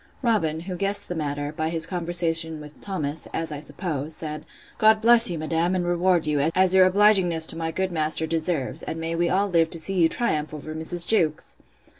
Robin, who guessed the matter, by his conversation with Thomas, (as I suppose,) said, God bless you, madam, and reward you, as your obligingness to my good master deserves; and may we all live to see you triumph over Mrs. Jewkes!